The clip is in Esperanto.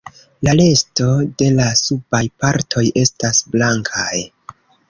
La resto de la subaj partoj estas blankaj.